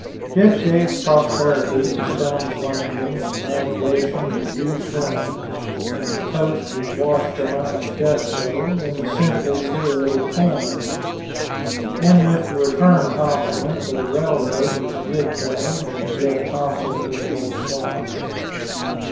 Jeff gave prosperity to Stone's Landing and navigation to Goose Run, and the toast was washed down with gusto, in the simple fluid of corn; and with the return compliment that a rail road was a good thing, and that Jeff Thompson was no slouch.